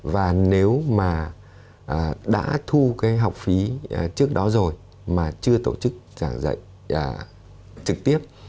và nếu mà đã thu cái học phí trước đó rồi mà chưa tổ chức giảng dạy trực tiếp